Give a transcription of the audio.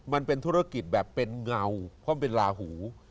มันเป็นธุรกิจแบบเป็นเงาเพราะมันเป็นลาหู